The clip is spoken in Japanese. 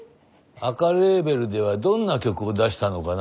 赤レーベルではどんな曲を出したのかな？